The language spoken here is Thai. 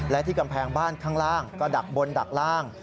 และที่กำแพงบ้านข้างล่างก็ดักบนดักล่าง